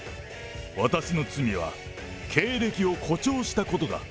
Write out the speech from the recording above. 私の罪は経歴を誇張したことだ。